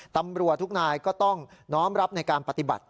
ตำรวจทุกนายก็ต้องน้อมรับในการปฏิบัติ